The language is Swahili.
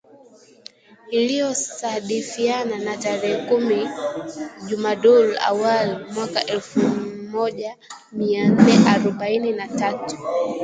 ILIYO SADIFIANA NA TAREHE KUMI JUMADUL AWAL MWAKA ELFU MJA MIA NNE AROBAINI NA TATU